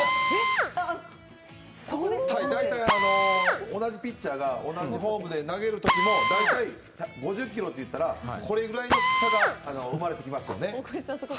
大体同じピッチャーが同じフォームで投げる時も大体、５０キロっていったらこれぐらいの差が生まれてきますよね。